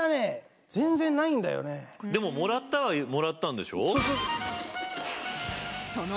でももらったはもらったんでしょ？